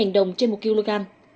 năm mươi chín đồng trên một kg